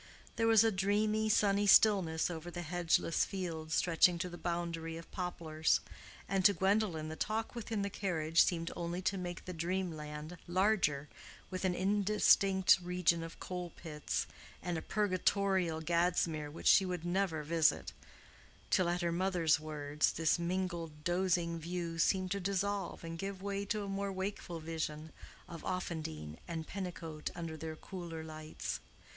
There was a dreamy, sunny stillness over the hedgeless fields stretching to the boundary of poplars; and to Gwendolen the talk within the carriage seemed only to make the dreamland larger with an indistinct region of coal pits, and a purgatorial Gadsmere which she would never visit; till at her mother's words, this mingled, dozing view seemed to dissolve and give way to a more wakeful vision of Offendene and Pennicote under their cooler lights.